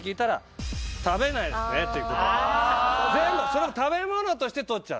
それを食べ物として取っちゃう。